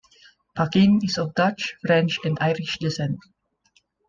Paquin is of Dutch, French and Irish descent.